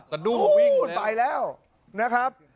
สะดุหัววิ่งเลยอุ๊ยไปแล้วนะครับ